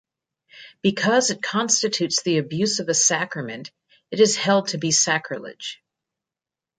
Because it constitutes the abuse of a sacrament, it is held to be sacrilege.